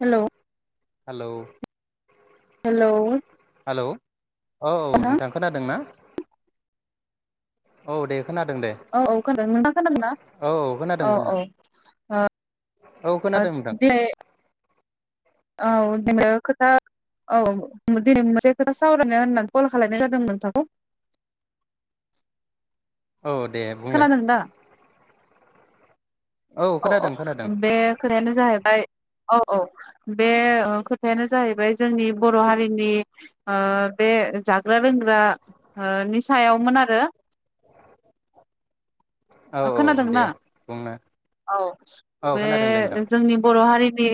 Hello hello hello hello औ औ ना नोंथां खोनादों ना। औ दे खोनादों दे औ औ खोनादों नोंथां खोनादों ना औ खोनादों औ खोनादों औ औ ओ खोनादों नोंथां [unintelligible] औ दिनै खोथा औ दिनै मोनसे खोथा सावरायनो होननानै कल खालनाय जादों नोंथांखौ। औ दे बुंलाय खोनादों दा औ औ खोनादों खोनादों बे खोथायानो जाहैबाय औ। औ बे ओ खोथायानो जाहैबाय जोंनि बर' हारिनि ओ बे जाग्रा लोंग्रा ओ नि सायावमोन आरो। औ औ दे खोनादोंना बुंनो औ औ खोनादों दे नोंथां बे जोंनि बर' हारि नि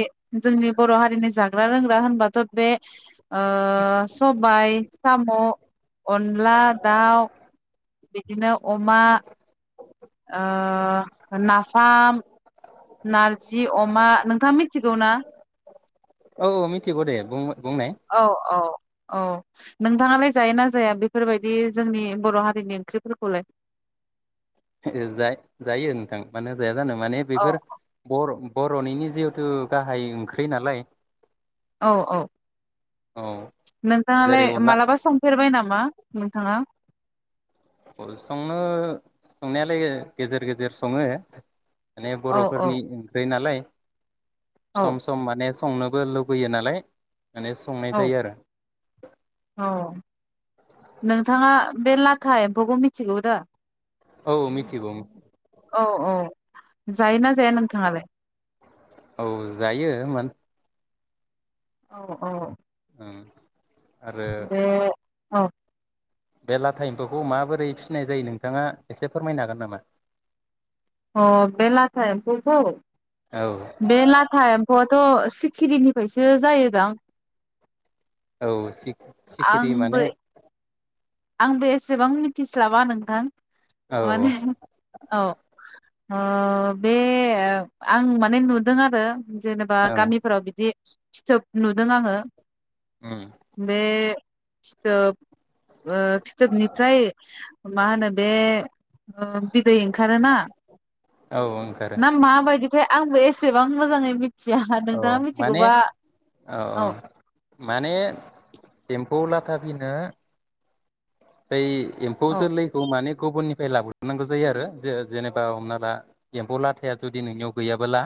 जोंनि बर' हारिनि जाग्रा लोंग्रा होनबाथ' बे ओ सबाय साम' अनला दाउ बिदिनो अमा ओ नाफाम नारजि अमा नोंथाङ मिथिगौ ना? औ औ मिथिगौ दे बुं बुंनाय औ औ। औ नोंथाङालाय जाय ना जाया? बेफोरबायदि जोंनि बर' हारिनि ओंख्रिफोरखौलाय। जा जायो नोंथां मानो जाया जानो माने औ बेफोर बर' बर'निनो जिहेथु गाहाय ओंख्रि नालाय औ औ। औ जेरै नोंथाङालाय अनला मालाबा संफेरबाय नामा? नोंथांआ संनो संनायालाय गेजेर गेजेर सङो माने औ औ बर'फोरनि ओंख्रि नालाय औ सम सम माने संनोबो लुबैयो नालाय माने संनाय औ जायो आरो। औ नोंथाङा बे लाथा एम्फौखौ मिथिगौ दा? औ मिथिगौ। औ औ जायोना जाया नोंथाङालाय? औ जायो मानो औ औ। [inaudible] आरो बे औ। बे लाथा एम्फौखौ माबोरै फिसिनाय जायो नोंथाङा एसे फोरमायनो हागोन नामा? अ बे लाथा एमफौखौ? औ बे लाथा एमफौ आ थ' सिखिरिनिफ्रायसो जायोदां? औ सिखिरि आंबो माने? आंबो एसेबां मिथिस्लाबा नोंथां औ नङा दे औ ओ बे आं माने नुदों आरो जेनेबा औ गामिफोराव बिदि फिथोब नुदों आंङो। उम बे फिथोब ओ फिथोबनिफ्राय मा होनो बे ओ बिदै ओंखारोना औ ओंखारो। ओमफाय आंबो एसेबां मोजाङै मि औ माने औ औ माने एमफौ लाथा थाबैनो बै एम्फौ औ जोलैखौ माने गुबुननिफ्राय लाबोजोबनांगौ जायो आरो जे जेनेबा हमना ला एम्फौ लाथाया जुदि नोंनियाव गैयाबोला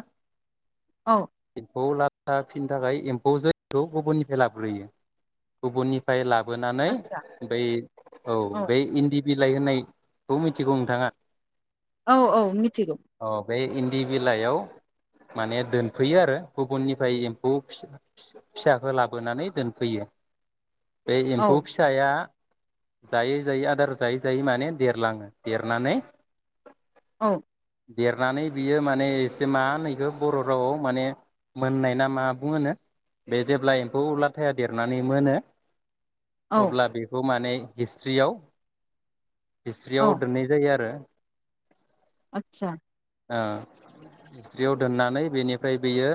औ एम्फौ ला थां फिसा फिनो थाखाय एम्फौ जोलैखौ गुबुननिफ्राय लाबोग्रोयो गुबुननिफ्राय ला बोनानै आदसा बै औ बे इन्दि बिलाइ होननायखौ मिथिगौ नोंथांङा? औ औ मिथिगौ। बे इन्दि बिलाइयाव माने दोनफैयो आरो गुबुननिफ्राय एम्फौ फि-फि-फिसाखौ लाबोनानै दोनफैयो। बे औ एम्फौ फिसाया जायै जायै आदार जायै जायै माने देरलाङो देरनानै औ देरनानै बियो माने एसे मा होनैखौ बर' रावआव माने मोननाय ना मा बुङोनो बे जेब्ला एम्फौ लाथाया देरनानै मोनो। औ अब्ला बेखौ माने हिस्रियाव हिस्रियाव औ दोननाय जायो आरो। आतसा ओ स्रियाव दोननानै बेनिफ्राय बेयो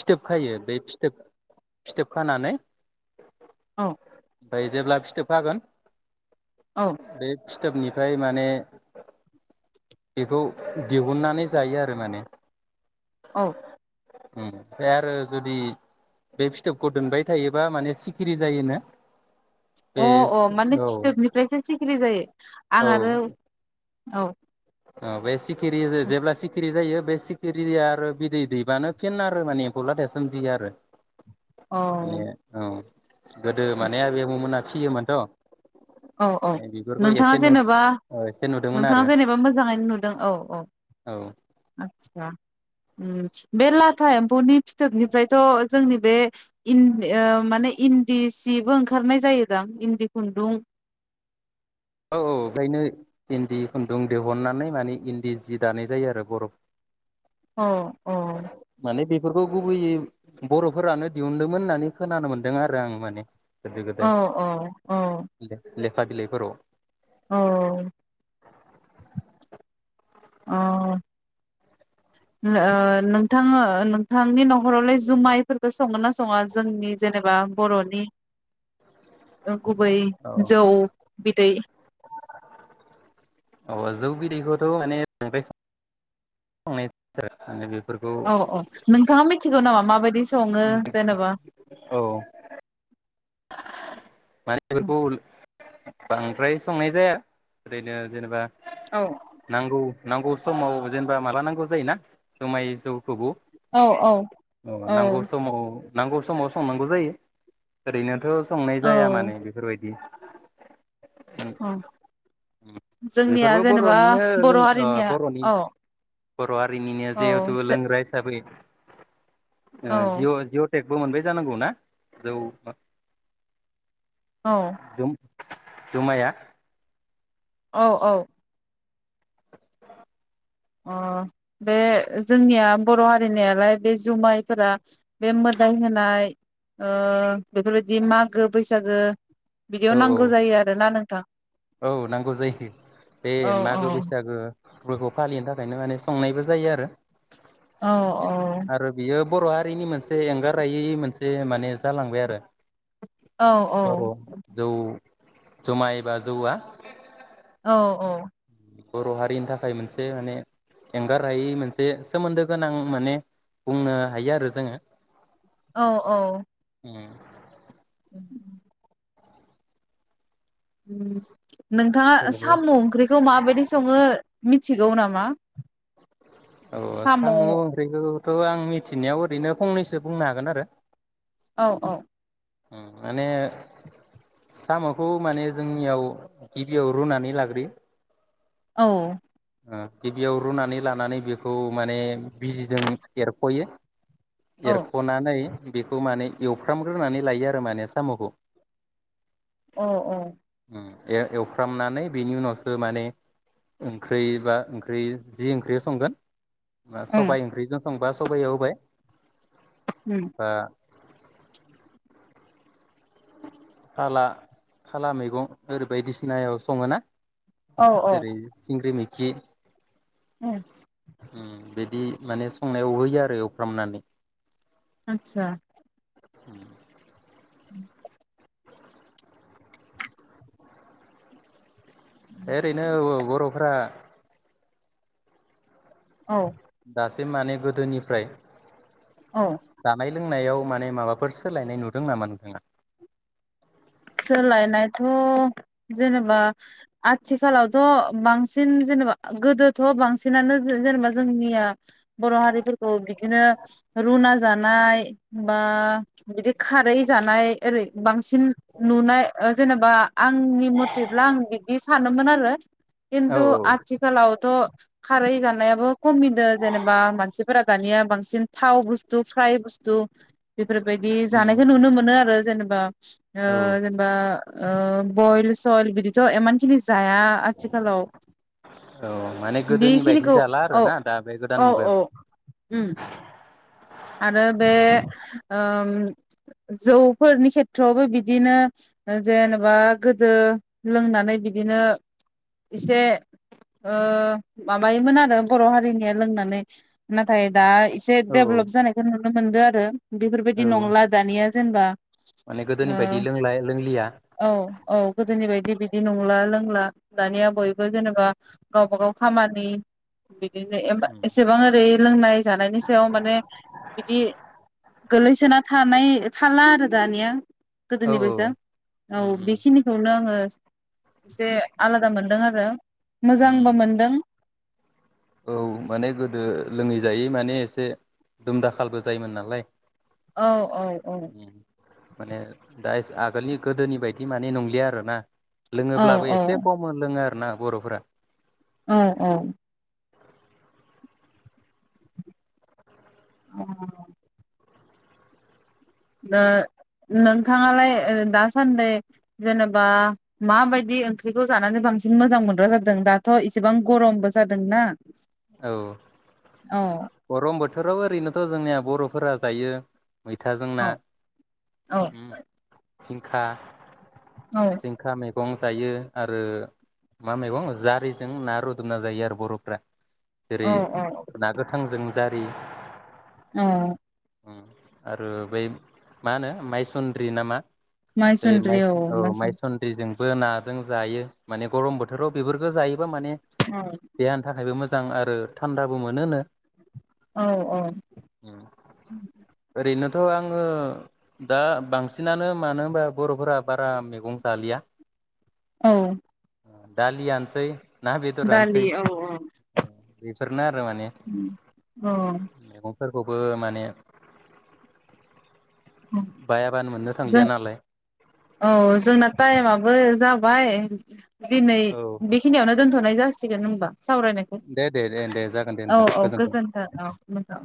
फिथोब खायो बे फिथोब फिथोब खानानै औ ओमफ्राय जेब्ला फिथोब खागोन औ बे फिथोबनिफ्राय माने बेखौ दिहुननानै जायो आरो माने। औ उम ओमफ्राय आरो जुदि बे फिथोबखौ दोनबाय थायोबा माने सिखिरि जायोनो? अ बेस अ माने फिथोबनिफ्रायसो सिखिरि जायो औ आं आरो औ [unintelligible] बे सिखिरि सिखिरि जेब्ला सिखिरि जायो बे सिखिरिआ आरो बिदै दैबानो फिन आरो माने एम्फौ लाथाया सोमजियो आरो। औ माने औ गोदो माने आबै आबौमोना फियोमोनथ' औ औ नै बेफोरखौ नोंथाङा एसे नु जेनेबा ओ एसे नुदोंमोन नोंथाङा आरो जेनेबा मोजां मोजाङैनो नुदों औ औ औ आतस्सा ओम बे लाथा एम्फौनि फिथोबनिफ्रायथ' जोंनि बे इन माने इन्दि सिबो ओंखारनाय जायोदां इन्दि खुन्दुं औ औ ओंखायनो इन्दि खुन्दुं दिहुननानै माने इन्दि जि दानाय जायो आरो बर' अ अ माने बेफोरखौ गुबैयै बर'फोरानो दिहुनदोंमोन होननानै खोनानो मोन्दों आरो आं माने। गोदो औ गोदाय औ औ लेखा बिलाइफोराव औ अ ओ नोंथाङा नोंथांनि न' हरावलाय जुमायफोरखौ संगोना ना सङा जोंनि जेनेबा बर'नि ओ गुबै जौ बिदै अ जौ बिदैखौथ' माने [unintelligible] बांद्राय बेफोरखौ औ औ नोंथाङा मि थिगौ नामा माबायदि सङो जेनेबा? औ [unintelligible] मानि बेफोरखौ बांद्राय संनाय जाया ओरैनो जेनेबा औ नांगौ नांगौ समाव जेनेबा माला नांगौ जायोना जुमाय जौ खौबो औ औ ओ औ नांगौ समाव नांगौ समाव संनांगौ जाया औ मानो बेफोरबायदि जोंनिया बेफोरबो जेनेबा बरनिनो लों बर' ओ हारिनिया बरनि औ बर हारिनिनो औ जिहेतु लोंग्रा हिसाबै औ ओ जि अ' जि अ' थेकबो मोनबाय जानांगौ ना जौ औ। जुमाया। औ औ। अ बे जोंनिया बर हारिनियालाय बे जुमायफोरा बे मोदाय होनाय ओ बेफोर बायदि मागो बैसागो बिदियाव औ औ नांगौ जायो आरोना नोंथां। औ नांगौ जायो बे औ औ मागो बैसागो फोरबो फालिनो थाख थाखायनो माने संनायबो जायो आरो। औ औ। आरो बियो बर हारिनि मोनसे एंगारायै मोनसे माने जालांबाय आरो बर' जौ। जुमाय बाज जौउआ? औ औ। बर हारिनि थाखाय मोनसे माने एंगार हायि मोनसे सोमोन्दो गोनां माने बुंनो हायो आरो जोङो। औ औ उम। [inaudible] नोंथाङा साम ओंख्रिखौ माबायदि संङो मिथ थिगौ नामा? औ साम ओंख्रिखौ? थ आं मिथिनायाव ओरैनो फंनैसो बुंनो हागोन आरो। औ औ ओं माने सामखौ माने जोंनियाव गिबियाव रुनानै लाग्रोयो। औ। ओ गिबियाव रुनानै लानानै बेखौ माने बिजिजों एरखयो। औ एरखनानै बेखौ माने एवफ्राम ग्रोनानै लायो आरो माने सामखौ। औ औ। ए-एवफ्रामनानै बेनि उनावसो माने ओम ओंख्रै बा ओंख्रै जि ओंख्रियाव संगोन सबाइ ओंख्रिजों संबा सबाय आव होबाय। बा फाला खाला मैगं ओरै बायदिसिनायाव सङो ना? ओं औ जेरै सिंग्रि मैख खि औ उम्म बिदि माने संनायाव होयो आरो एवफ्रामनानै। आतसा उम्म [unintelligible] ओरैनो बर'फ्रा औ दासिम माने गोदोनिफ्राय औ जानाय लों नायाव माने माबाफोर सोलायनाय नुदों नामा नोंथांङा? सोलायनायथ' जेनेबा आथिखालावथ' बांसिन जेनेबा गोदोथ' बांसिनानो जेनेबा जोंनिया बर' हारिफोरखौ बिदिनो रुना जानाय बा बिदि खारै जानाय ओरै बांसिन नुनाय ओ जेनेबा आंनि मथेब्ला आं बिदि सानोमोन आरो। औ किनतु औ आथिखालाव थ' खारै जानायाबो खमिदों जेनेबा मानसिफोरा दानिया बांसिन थाव बुस्थु फ्राय बुस्थु बेफोरबायदि उम उम जानायखौ नुनो मोनो आरो। जेनेबा ओ औ जेनेबा ओ बइल सयल बिदिथ' इमानखिनि जाया आथिखालाव औ माने गोदोनि बायदि बेखिनिखौ जाला औ आरोना दा बे गोदान औ औ मुगायाव उम उम्म। आरो बे ओम जौफोरनि खेथ्रआवबो बिदिनो जेनेबा गोदो लोंनानै बिदिनो एसे ओ माबायोमोन आरो बर' हारिनिया लोंनानै नाथाय दा इसे औ देेबलफ नुनो मोनदो आरो। बेफोरबायदि औ नंला दानिया जेनेबा माने गोदोनि ओ बायदि लोंला लोंलिया औ औ गोदोनि बायदि बिदि नंला लोंला दानिया बयबो जेनेबा गावबा गाव खामानि बिदिनो एमबा उम एसेबां ओरै लोंनाय जानायनि सायाव माने बिदि गोलैसोना थानाय थाला आरो दानिया। औ गोदोनि बायसा औ उम उम बेखिनिखौनो आंङो एसे आलादा मोनदों आरो ‌। ‌ उम मोजांबो मोनदों। औ से दुम दाखालबो जायोमोन नालाय। औ औ औ माने दा आगोलनि गोदोनि बायदि माने नंलिया आरोना? औ लोङोब्लाबो औ एसे खम लोङो। ना बर'फोरा औ औ अ नो नोंथाङालाय ओ दासान्दि जेनेबा माबायदि ओंख्रिखौ जानानै बांसिन मोजां मोनग्रा जादों दाथ' इसेबां गरमबो जादोंना? औ औ गरम बोथोराव ओरैनोथ' जोंनिया बर' फोरा जायो। मैथाजों औ ना औ उम जिंखा। औ जिंखा मैगं जायो आरो मा मैगं जारिजों ना रुदबना जायो आरो बर'फ्रा। औ जेरै औ ना गोथांजों जारि औ उम आरो बै मा होनो माइसन्द्रि नामा? बे माइसुन्द्रि माइ औ माइसुन्द्रि माइसन्द्रिजों बो नाजों जायो माने गरम बोथोराव बेफोरखौ जायो। माने देहानि थाखायबो मो जां आरो थान्दाबो मोनोनो। औ औ थ' आङो दा बांसिनानो मानो होनबा बर'फोरा बारा मैगं जालिया। औ दालि आ नोसै। दालि औ औ बेफोरनो आरो माने औ मैगं फोरखौबो माने‌ जों औ जोंना टाइमाबो जा बाय दिनै औ बेखिनियावनो दोनथ'नाय जास सिगोन होमबा। सावरायनायखौ दे दे दे दे जागोन दे औ नोंथां औ गोजोन्थों औ मोजां।